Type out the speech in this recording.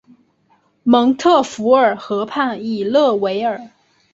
蒙特福尔河畔伊勒维尔。